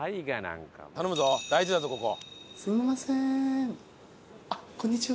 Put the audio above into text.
頼むぞ大事だぞここ。